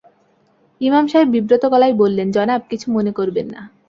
ইমাম সাহেব বিব্রত গলায় বললেন, জনাব, কিছু মনে করবেন না।